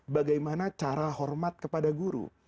bagaimana cara hormat kepada guru